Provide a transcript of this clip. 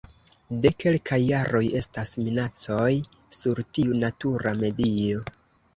De kelkaj jaroj estas minacoj sur tiu natura medio.